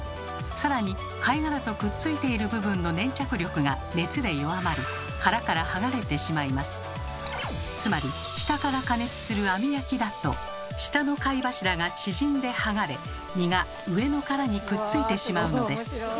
さらに貝殻とくっついている部分の粘着力が熱で弱まりつまり下から加熱する網焼きだと下の貝柱が縮んではがれ身が上の殻にくっついてしまうのです。